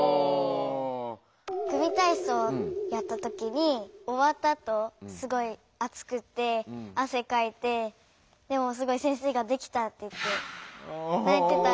組体そうやった時におわったあとすごいあつくって汗かいてでもすごい先生が「できた」って言ってないてた。